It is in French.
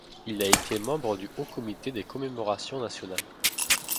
Il a été membre du Haut comité des commémorations nationales.